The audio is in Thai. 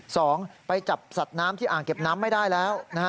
สองไปจับสัตว์น้ำที่อ่างเก็บน้ำไม่ได้แล้วนะฮะ